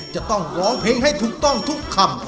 จะต้องร้องเพลงให้ถูกต้องทุกคำ